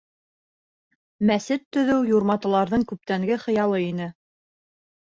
Мәсет төҙөү юрматыларҙың күптәнге хыялы ине.